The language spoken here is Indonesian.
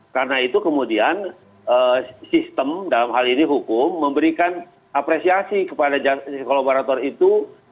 karena itu kemudian sistem dalam hal ini hukum memberikan apresiasi kepada justice collaborator itu